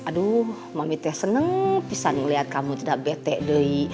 aduh mamitnya seneng bisa ngeliat kamu tidak bete dey